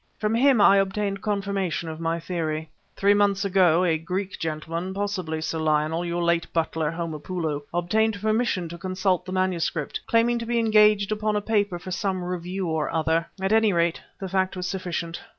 From him I obtained confirmation of my theory. Three months ago a Greek gentleman possibly, Sir Lionel, your late butler, Homopoulo obtained permission to consult the MS., claiming to be engaged upon a paper for some review or another. "At any rate, the fact was sufficient.